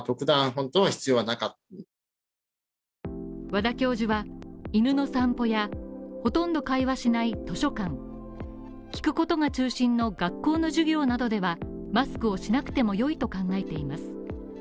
和田教授は犬の散歩や、ほとんど会話しない図書館聞くことが中心の学校の授業などではマスクをしなくてもよいと考えています。